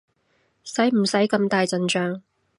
使唔使咁大陣仗？